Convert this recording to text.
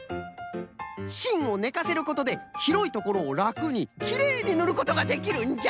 しんをねかせることでひろいところをらくにきれいにぬることができるんじゃ。